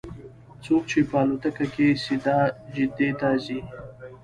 څوک چې په الوتکه کې سیده جدې ته ځي.